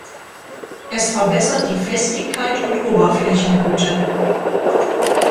Es verbessert die Festigkeit und Oberflächengüte.